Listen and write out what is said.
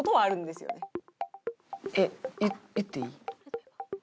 えっ言っていい？